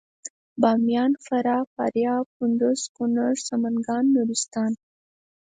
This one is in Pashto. باميان فراه فاریاب غور کنړ کندوز سمنګان نورستان